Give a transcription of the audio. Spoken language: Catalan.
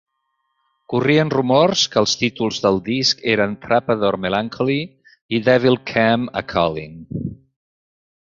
Corrien rumors que els títols del disc eren "Trapdoor Melancholy" i "Devil Came A Calling".